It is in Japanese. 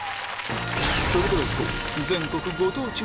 それではいこう！